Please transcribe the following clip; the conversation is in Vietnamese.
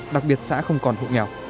đặc biệt xã không còn hộ nghèo